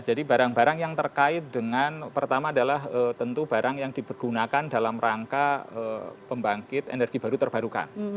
jadi barang barang yang terkait dengan pertama adalah tentu barang yang dipergunakan dalam rangka pembangkit energi baru terbarukan